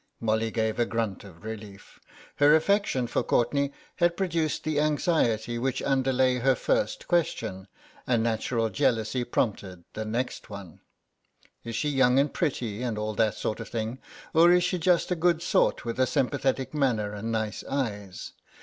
Molly gave a grunt of relief. Her affection for Courtenay had produced the anxiety which underlay her first question; a natural jealousy prompted the next one. "Is she young and pretty and all that sort of thing, or is she just a good sort with a sympathetic manner and nice eyes?